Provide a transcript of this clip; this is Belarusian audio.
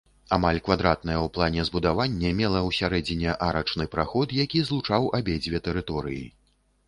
Амаль квадратнае ў плане збудаванне мела ў сярэдзіне арачны праход, які злучаў абедзве тэрыторыі.